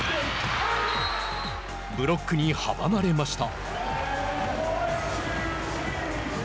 ブロックに阻まれました。